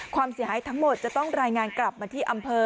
ความเสียหายทั้งหมดจะต้องรายงานกลับมาที่อำเภอ